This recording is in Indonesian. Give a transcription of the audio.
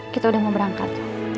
kita udah mau berangkat